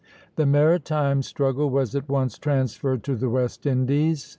The maritime struggle was at once transferred to the West Indies.